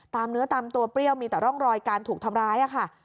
เนื้อตามตัวเปรี้ยวมีแต่ร่องรอยการถูกทำร้ายค่ะ